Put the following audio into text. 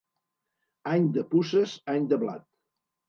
Any de puces, any de blat.